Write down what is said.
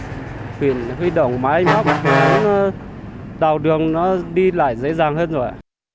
thì quyền huy động máy móc đào đường nó đi lại dễ dàng hơn rồi